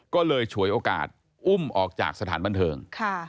ก็เลยฉวยโอกาสอุ้มออกจากสถานบันเทิง